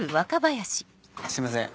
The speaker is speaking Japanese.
すいません。